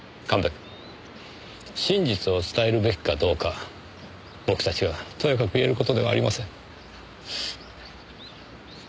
神戸君真実を伝えるべきかどうか僕達がとやかく言える事ではありません。